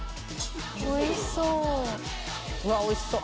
うわおいしそう。